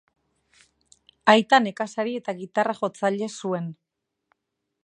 Aita nekazari eta gitarra-jotzaile zuen.